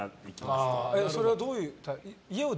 それはどういう。